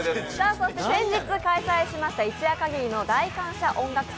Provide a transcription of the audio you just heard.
そして先日開催しました一夜限りの大感謝音楽祭